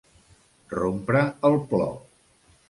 Rompre el plor.